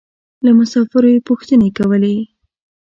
له مسافرو يې پوښتنې کولې.